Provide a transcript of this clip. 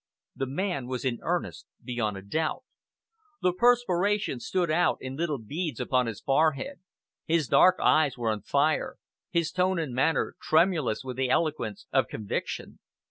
The man was in earnest beyond a doubt. The perspiration stood out in little beads upon his forehead, his dark eyes were on fire, his tone and manner tremulous with the eloquence of conviction.